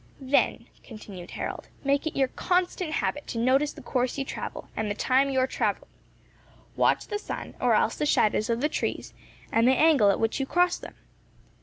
"Then," continued Harold, "make it your constant habit to notice the course you travel, and the time you are travelling. Watch the sun, or else the shadows of the trees, and the angle at which you cross them.